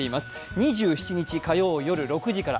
２７日火曜、夜６時から